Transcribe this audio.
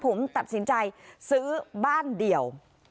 ผมตัดสินใจซื้อบ้านเดียว